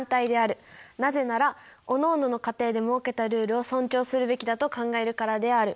なぜならおのおのの家庭で設けたルールを尊重するべきだと考えるからである。